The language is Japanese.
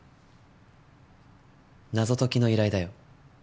謎解きの依頼だよ。